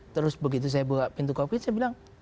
terus begitu saya buka pintu covid saya bilang